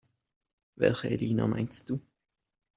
Welche Elina meinst du?